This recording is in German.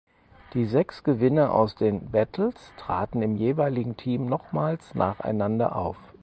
Die sechs Gewinner aus den „Battles“ traten im jeweiligen Team nochmals nacheinander auf.